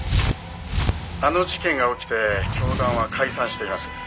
「あの事件が起きて教団は解散しています」